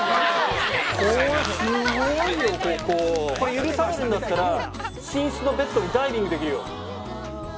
これ許されるんだったら寝室のベッドにダイビングできるよ。